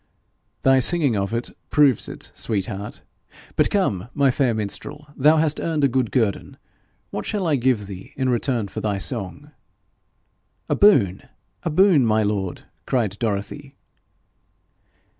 'Thy singing of it proves it, sweet heart. But come, my fair minstrel, thou hast earned a good guerdon: what shall I give thee in return for thy song?' 'A boon, a boon, my lord!' cried Dorothy.